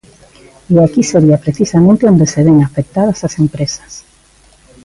E aquí sería precisamente onde se ven afectadas as empresas.